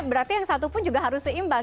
berarti yang satu pun juga harus seimbang